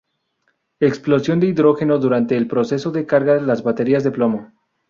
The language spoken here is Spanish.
Explosión de hidrógeno durante el proceso de carga las baterías de plomo.